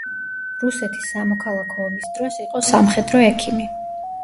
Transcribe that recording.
რუსეთის სამოქალაქო ომის დროს იყო სამხედრო ექიმი.